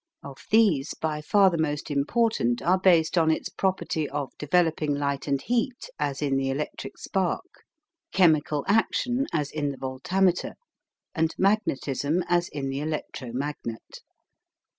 Of these by far the most important are based on its property of developing light and heat as in the electric spark, chemical action as m the voltameter, and magnetism as in the electromagnet.